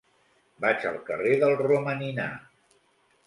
Vaig al carrer del Romaninar.